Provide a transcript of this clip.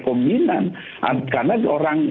terkombinan karena orang